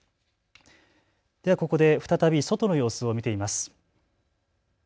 ここで再び外の様子を見てみます。